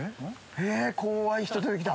怖い人出て来た！